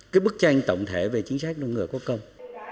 cái bức tranh tổng thể về chính sách người có công